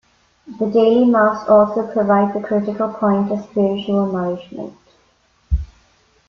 The daily Mass also provides a critical point of spiritual nourishment.